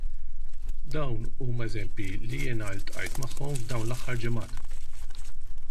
Dawn huma eżempji li jien ltqajt magħhom f'dawn l-aħħar ġimgħat.